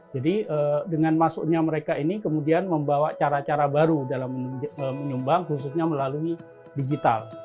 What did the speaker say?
dengan masuknya mereka ini kemudian membawa cara cara baru dalam menyumbang khususnya melalui digital